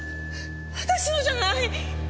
私のじゃない！